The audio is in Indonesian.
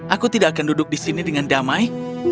aku tidak akan duduk di sini dengan damai